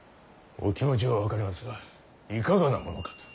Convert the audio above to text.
お気持ちは分かりますがいかがなものかと。